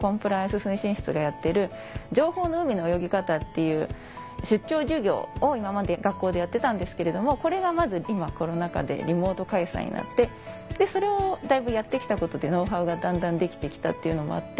いう出張授業を今まで学校でやってたんですけれどもこれがまず今コロナ禍でリモート開催になってそれをだいぶやって来たことでノウハウがだんだん出来て来たっていうのもあって。